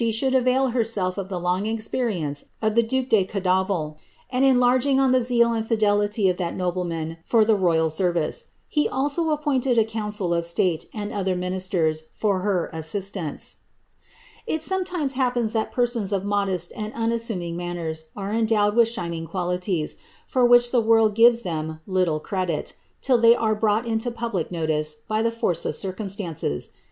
should a\'ail herself of the long experience of the duke de Ondafil, nd enlargin^r on the zeal and fidelity of that nobleman for the royal m^ ▼ice. He also appointed a council of state, and other ministcri, for hv asiistance.' It sometimes happens that persons of modest and unaaranunf ■mbbh are endowed with shining qualities, for which tlie world gives tha little credit, till they are brought into public notice by the force of » cumstances.